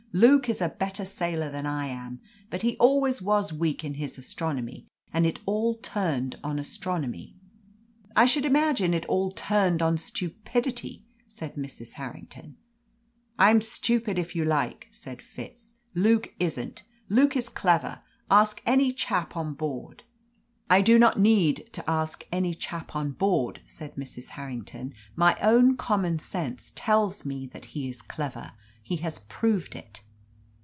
"Luke is a better sailor than I am. But he always was weak in his astronomy, and it all turned on astronomy." "I should imagine it all turned on stupidity," said Mrs. Harrington. "I'm stupid, if you like," said Fitz; "Luke isn't. Luke is clever; ask any chap on board!" "I do not need to ask any chap on board," said Mrs. Harrington. "My own common sense tells me that he is clever. He has proved it."